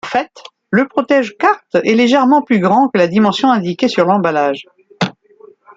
En fait, le protège-carte est légèrement plus grand que la dimension indiquée sur l'emballage.